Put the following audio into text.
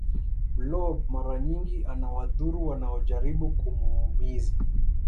blob mara nyingi anawadhuru wanaojaribu kumuumiza